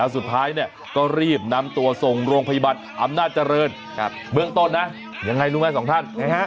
สุดท้ายก็รีบนำตัวส่งโรงพยาบาลอำนาจเจริญเบื้องต้นนะยังไงรู้ไหมสองท่าน